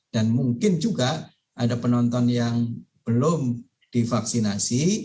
dan mungkin juga ada penonton yang belum divaksinasi